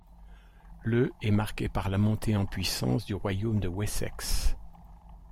Le est marqué par la montée en puissance du royaume de Wessex.